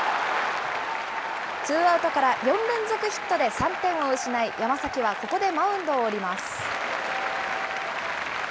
ツーアウトから４連続ヒットで３点を失い、山崎はここでマウンドを降ります。